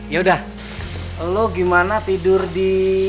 yaudah lu gimana tidur di